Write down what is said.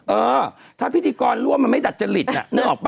เออถ้าพิธีกรร่วมมันไม่ดัดจริตน่ะนึกออกป่